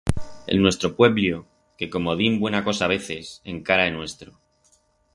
El nuestro puebllo que, como dim buena cosa veces, encara é nuestro.